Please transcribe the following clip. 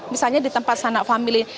misalnya di tempat sanak family